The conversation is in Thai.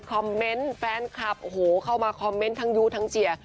คอมเมนต์แฟนคลับโอ้โหเข้ามาคอมเมนต์ทั้งยูทั้งเจีย